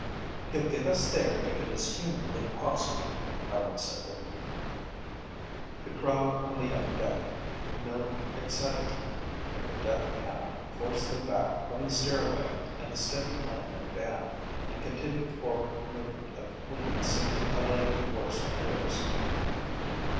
"He'll get us there if it is humanly possible," Helen said hopefully. The crowd on the upper deck milled excitedly but the deck hand forced them back from the stairway and the steady playing of the band and continued forward movement of the Queen seemed to allay their worst fears.